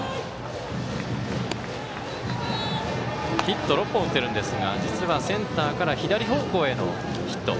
ヒット６本打っているんですが実はセンターから左方向へのヒット。